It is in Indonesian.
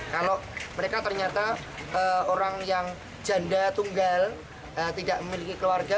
kalau mereka ternyata orang yang janda tunggal tidak memiliki keluarga